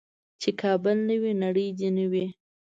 چې کابل نه وي نړۍ دې نه وي.